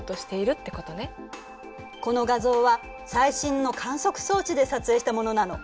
この画像は最新の観測装置で撮影したものなの。